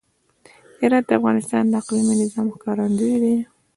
هرات د افغانستان د اقلیمي نظام ښکارندوی دی.